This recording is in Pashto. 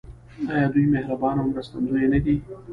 آیا دوی مهربان او مرستندوی نه دي؟